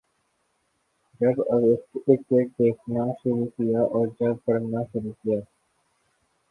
جب اردگرد دیکھنا شروع کیا اور جب پڑھنا شروع کیا